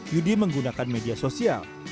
yudi menggunakan media sosial